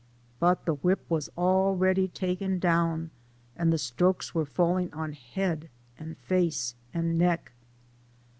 But the whip was already taken down, and the strokes were falling on head and face and neck.